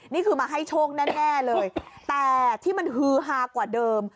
นี่คือมาให้โชคแน่เลยแต่ที่มันฮือฮากว่าเดิม